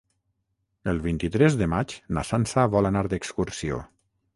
El vint-i-tres de maig na Sança vol anar d'excursió.